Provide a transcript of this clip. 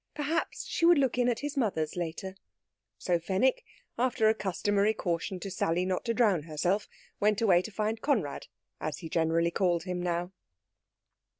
Perhaps she would look in at his mother's later. So Fenwick, after a customary caution to Sally not to drown herself, went away to find Conrad, as he generally called him now.